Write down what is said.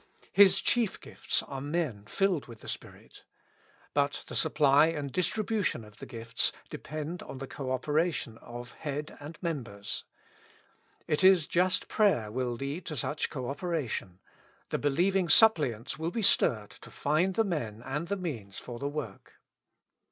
His chief gifts are men filled with the Spirit. But the supply and distribution of the gifts depend on the co operation of Head and members. It is just prayer will lead to such co opera tion ; the believing suppliants will be stirred to find the men and the means for the work.